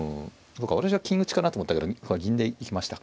私は金打ちかなと思ったけど銀で行きましたか。